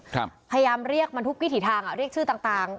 พยายามเรียกมันทุกวิถีทางอ่ะเรียกชื่อต่างต่าง